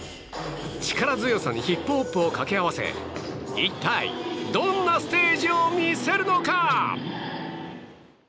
力強さにヒップホップを掛け合わせ一体どんなステージを見せるのか。